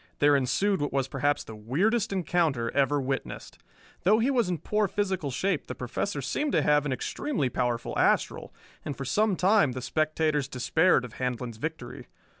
There ensued what was perhaps the weirdest encounter ever witnessed. Though he was in poor physical shape, the Professor seemed to have an extremely powerful astral; and for some time the spectators despaired of Handlon's victory.